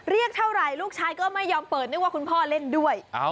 เรียกเท่าไหร่ลูกชายก็ไม่ยอมเปิดนึกว่าคุณพ่อเล่นด้วย